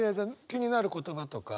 気になる言葉とか。